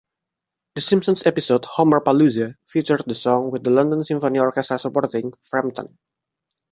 "The Simpsons" episode "Homerpalooza" featured the song with the London Symphony Orchestra supporting Frampton.